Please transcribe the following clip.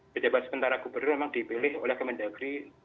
pejabat sementara gubernur memang dipilih oleh kementerian negeri